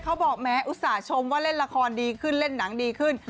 เขาบอกแม้อุตส่าหชมว่าเล่นละครดีขึ้นเล่นหนังดีขึ้น